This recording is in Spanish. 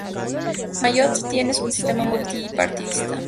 Mayotte tiene un sistema multipartidista.